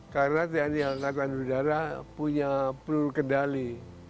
karena teknik alkandang udara punya perlu kendali